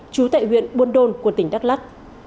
chú tại huyện buôn đôn của tỉnh đắk lắc